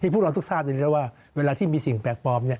พวกเราต้องทราบอย่างนี้ว่าเวลาที่มีสิ่งแปลกปลอม